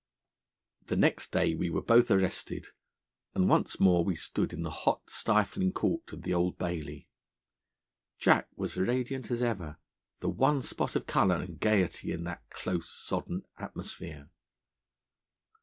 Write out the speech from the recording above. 'The next day we were both arrested, and once more we stood in the hot, stifling Court of the Old Bailey. Jack was radiant as ever, the one spot of colour and gaiety in that close, sodden atmosphere.